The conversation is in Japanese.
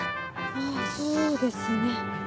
あぁそうですね。